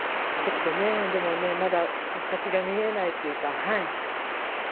ちょっとね、でもね、まだ先が見えないというか。